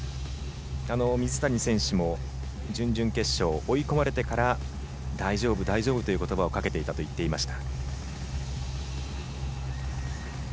水谷選手も、準々決勝追い込まれてから大丈夫、大丈夫という言葉をかけていたと言っていました。